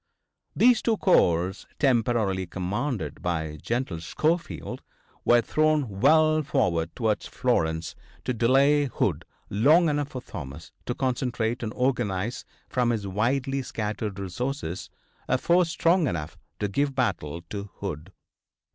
These two corps, temporarily commanded by General Schofield, were thrown well forward towards Florence to delay Hood long enough for Thomas to concentrate and organize from his widely scattered resources a force strong enough to give battle to Hood.